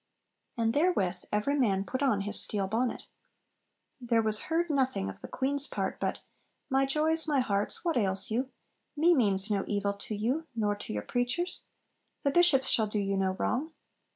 And therewith every man put on his steel bonnet. There was heard nothing of the Queen's part but "My joys, my hearts, what ails you? Me means no evil to you nor to your preachers. The Bishops shall do you no wrong.